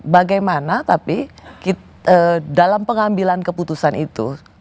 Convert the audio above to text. bagaimana tapi dalam pengambilan keputusan itu